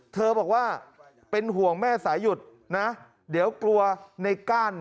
บอกว่าเป็นห่วงแม่สายหยุดนะเดี๋ยวกลัวในก้าน